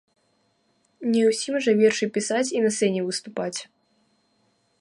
Не ўсім жа вершы пісаць і на сцэне выступаць.